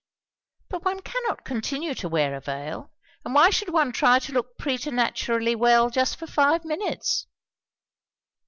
"But one cannot continue to wear a veil; and why should one try to look preternaturally well just for five minutes?"